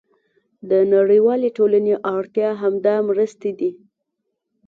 د نړیوالې ټولنې اړتیا همدا مرستې دي.